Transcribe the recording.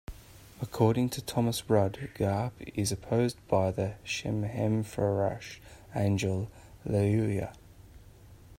According to Thomas Rudd, Gaap is opposed by the Shemhamphorasch angel Ieuiah.